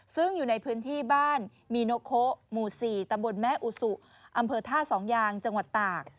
ซึ่งอยู่ในพื้นที่บ้านมีโนโคหมู่๔ตำบลแม่อุสุอำเภอท่าสองยางจังหวัดตาก